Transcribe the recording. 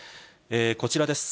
こちらです。